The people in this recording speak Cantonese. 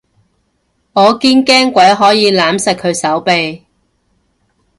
我堅驚鬼可以攬實佢手臂